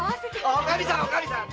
おかみさん！